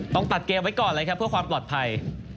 ตัดเกมไว้ก่อนเลยครับเพื่อความปลอดภัย